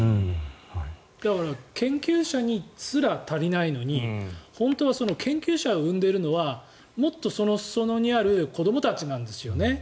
だから研究者にすら足りないのに本当は研究者を生んでいるのはもっと裾野にある子どもたちなんですよね。